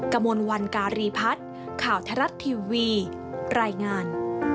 กระมวลวันการีพัฒน์ข่าวไทยรัฐทีวีรายงาน